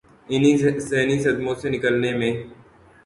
انہیں ذہنی صدموں سے نکلنے میں